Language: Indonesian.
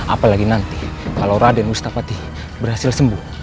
apalagi nanti kalau raden mustafatih berhasil sembuh